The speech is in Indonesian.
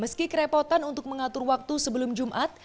meski kerepotan untuk mengatur waktu sebelum jumat